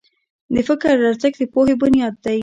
د فکر ارزښت د پوهې بنیاد دی.